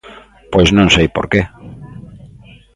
Pois non sei por que.